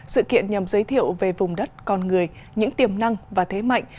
sự kiện nhằm giới thiệu về vùng đất con người những tiềm năng và thế mạnh